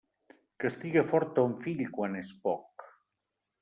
Castiga fort ton fill quan és poc.